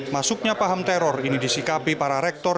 masuknya paham teror ini disikapi para rektor